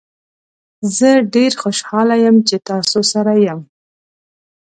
زه ډیر خوشحاله یم چې تاسو سره یم.